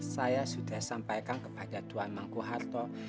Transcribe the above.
saya sudah sampaikan kepada tuhan mangku harto